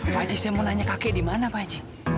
pak saya mau nanya kakek di mana pak